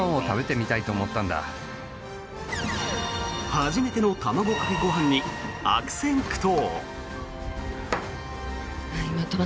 初めての卵かけご飯に悪戦苦闘。